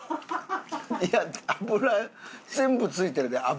いや脂全部付いてるで脂。